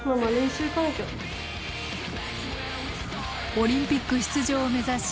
オリンピック出場を目指し